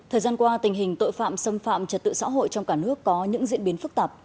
thời gian qua tình hình tội phạm xâm phạm trật tự xã hội trong cả nước có những diễn biến phức tạp